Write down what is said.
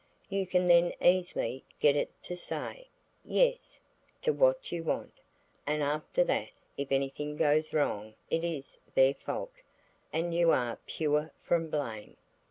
You can then easily get it to say "Yes" to what you want, and after that, if anything goes wrong it is their fault, and you are pure from blame.